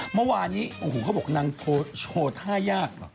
เมื่อวานนี้เขาบอกนางโชว์ท่ายาก